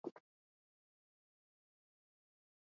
Unapofika katika kijiji cha Kilwa Kisiwani